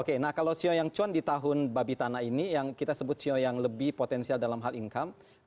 oke nah kalau sio yang cuan di tahun babi tanah ini yang kita sebut sio yang lebih potensial dalam hal income